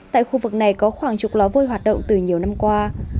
tại khu vực này có khoảng chục lá vôi hoạt động từ nhiều năm qua